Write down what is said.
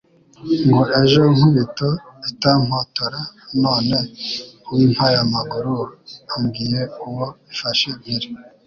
Ngo ejo Nkubito itampotora; None uw' ImpayamaguruAmbwiye uwo ifashe mpiri